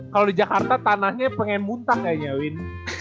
kalau di jakarta tanahnya pengen muntah kayaknya win